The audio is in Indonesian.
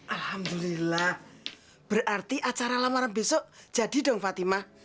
alhamdulillah berarti acara lamaran besok jadi dong fatimah